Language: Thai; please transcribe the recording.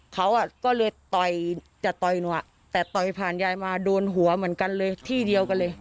เขาอ่ะก็เลยต่อยจะต่อยหนูอ่ะแต่ต่อยผ่านยายมาโดนหัวเหมือนกันเลยที่เดียวกันเลย